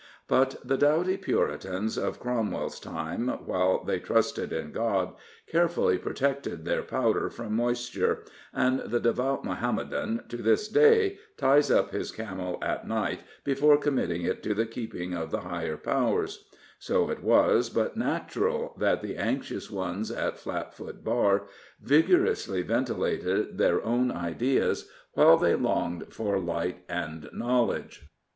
But the doughty Puritans of Cromwell's time, while they trusted in God, carefully protected their powder from moisture, and the devout Mohammedan, to this day, ties up his camel at night before committing it to the keeping of the higher powers; so it was but natural that the anxious ones at Flatfoot Bar vigorously ventilated their own ideas while they longed for light and knowledge.